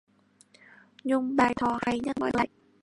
nhung bai tho hay nhat moi thoi dai